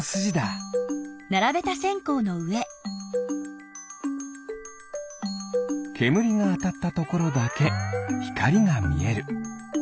けむりがあたったところだけひかりがみえる。